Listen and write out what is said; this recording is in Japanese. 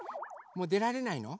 もうでられないの？